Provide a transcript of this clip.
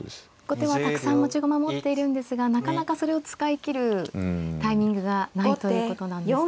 後手はたくさん持ち駒持っているんですがなかなかそれを使い切るタイミングがないということなんですね。